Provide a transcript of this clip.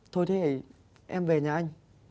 thôi thế em về nhà anh